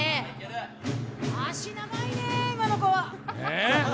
足、長いね、今の子は。